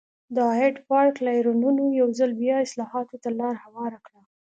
د هایډپارک لاریونونو یو ځل بیا اصلاحاتو ته لار هواره کړه.